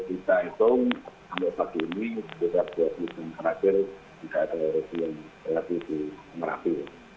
sehingga kalau kita hitung sampai pagi ini setelah dua lima hari terakhir kita ada resi yang terakhir di merapi